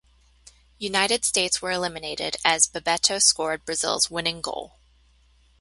United States were eliminated as Bebeto scored Brazil's winning goal.